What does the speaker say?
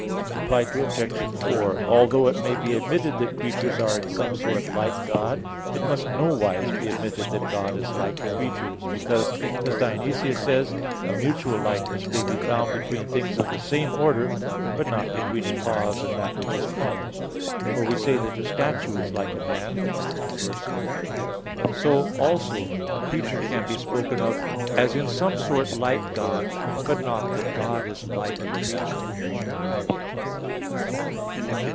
Reply Obj. 4: Although it may be admitted that creatures are in some sort like God, it must nowise be admitted that God is like creatures; because, as Dionysius says (Div. Nom. ix): "A mutual likeness may be found between things of the same order, but not between a cause and that which is caused." For, we say that a statue is like a man, but not conversely; so also a creature can be spoken of as in some sort like God; but not that God is like a creature.